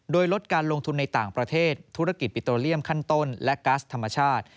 โดยลดการลงทุนในต่างประเทศธุรกิจปิโตเลียมขั้นต้นและก๊าซธรรมชาติ